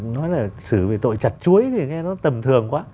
nói là xử về tội chặt chuối thì nghe nó tầm thường quá